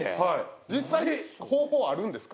実際に方法あるんですか？